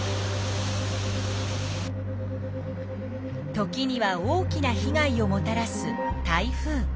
時には大きなひ害をもたらす台風。